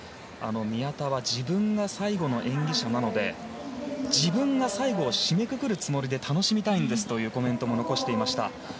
宮田は自分が最後の演技者なので自分が最後を締めくくるつもりで楽しみたいんですというコメントも残していました。